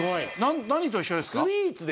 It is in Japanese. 何と一緒ですか？